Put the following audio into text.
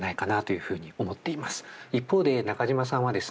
一方で中島さんはですね